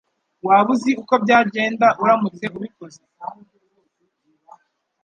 Waba uzi uko byagenda uramutse ubikoze?